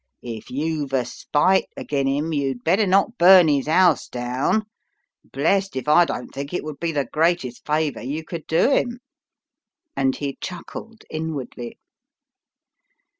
If you've a spite agen him, you'd better not burn his house down blessed if I don't think it would be the greatest favour you could do him." And he chuckled inwardly.